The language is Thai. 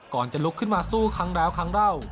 จะลุกขึ้นมาสู้ครั้งแล้วครั้งเล่า